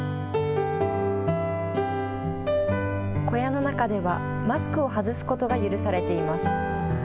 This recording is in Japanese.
小屋の中ではマスクを外すことが許されています。